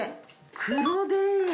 黒電話。